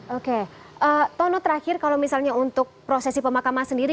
oke tono terakhir kalau misalnya untuk prosesi pemakaman sendiri